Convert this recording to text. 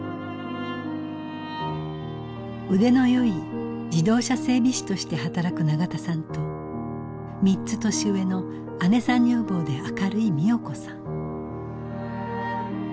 腕のよい自動車整備士として働く永田さんと３つ年上の姉さん女房で明るい美代子さん。